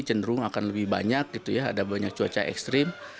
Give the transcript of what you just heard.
cenderung akan lebih banyak ada banyak cuaca ekstrim